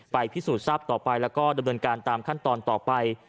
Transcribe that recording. พิสูจน์ทราบต่อไปแล้วก็ดำเนินการตามขั้นตอนต่อไป